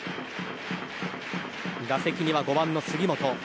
打席には５番の杉本。